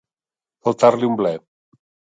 Faltar-li un ble.